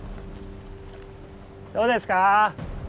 どうですか？